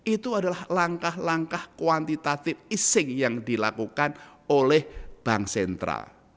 itu adalah langkah langkah kuantitatif ising yang dilakukan oleh bank sentral